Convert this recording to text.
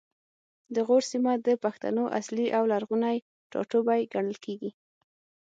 د غور سیمه د پښتنو اصلي او لرغونی ټاټوبی ګڼل کیږي